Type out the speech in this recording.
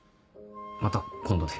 また今度で。